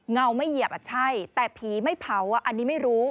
ไม่เหยียบอ่ะใช่แต่ผีไม่เผาอันนี้ไม่รู้